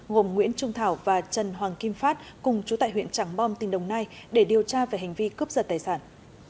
gồm nguyễn trung thảo và trần hoàng kim phát cùng chú tại huyện trắng bom tỉnh đồng nai để điều tra về hành vi cướp giật tài sản